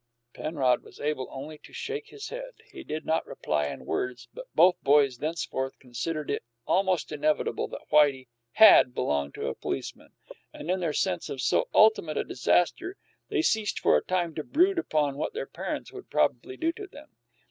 Penrod was able only to shake his head. He did not reply in words, but both boys thenceforth considered it almost inevitable that Whitey had belonged to a policeman, and in their sense of so ultimate a disaster, they ceased for a time to brood upon what their parents would probably do to them.